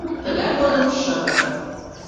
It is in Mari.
Тыгай годым шыгыр.